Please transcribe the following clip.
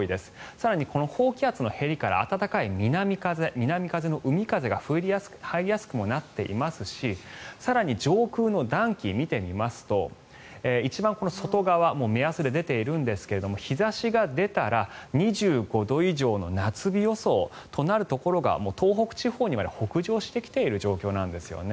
更に、この高気圧のへりから暖かい南風の海風が入りやすくもなっていますし更に上空の暖気を見てみますと一番外側目安で出ているんですが日差しが出たら２５度以上の夏日予想となるところが東北地方にまで北上してきている状況なんですね。